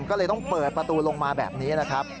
ก็เลยต้องเปิดประตูลงมาแบบนี้นะครับ